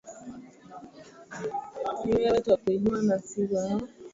Ni wewe twakuinua na si wao.